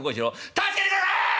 助けてください！